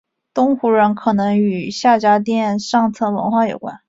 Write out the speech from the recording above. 东胡人可能与夏家店上层文化相关。